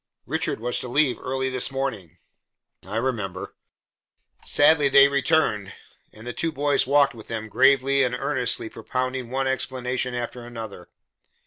"Richard was to leave early this morning." "I remember." Sadly they returned, and the two boys walked with them, gravely and earnestly propounding one explanation after another.